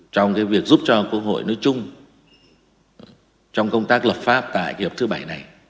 trong việc giúp cho quốc hội nói chung trong công tác luật pháp tại kỳ họp thứ bảy này